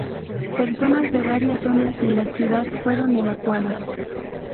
Personas de varias zonas de la ciudad fueron evacuadas.